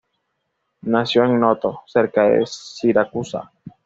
Nació en Noto, cerca de Siracusa.